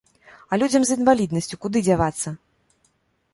А людзям з інваліднасцю куды дзявацца?